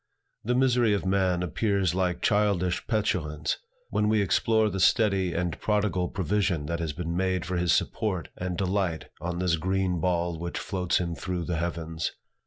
The misery of man appears like childish petulance, when we explore the steady and prodigal provision that has been made for his support and delight on this green ball which floats him through the heavens.